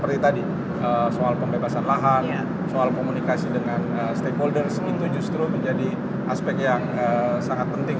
jadi soal pembebasan lahan soal komunikasi dengan stakeholders itu justru menjadi aspek yang sangat penting